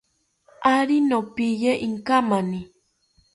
Ari nopiye inkamani